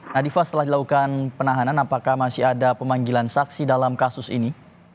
nadifa setelah dilakukan penahanan apakah masih ada pemanggilan saksi dalam kasus ini